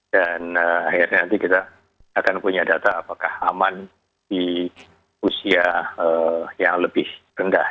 dan akhirnya nanti kita akan punya data apakah aman di usia yang lebih rendah